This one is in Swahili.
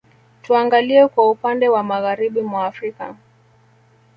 Tuangalie kwa upande wa Magharibi mwa Afrika